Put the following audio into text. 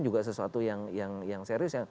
juga sesuatu yang serius